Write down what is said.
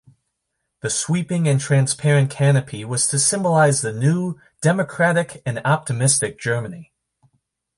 The sweeping and transparent canopy was to symbolize the new, democratic and optimistic Germany.